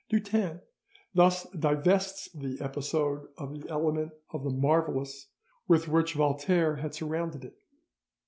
Dutens thus divests the episode of the element of the marvellous with which Voltaire had surrounded it.